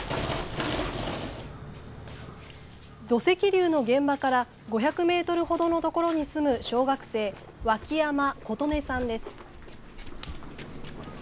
土石流が現場から５００メートルほどのところに住む小学生脇山ことねさんです。